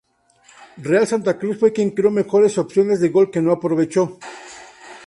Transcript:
Real Santa Cruz fue quien creó mejores opciones de gol, que no aprovechó.